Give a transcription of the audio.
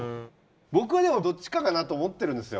僕はでもどっちかかなと思ってるんですよ。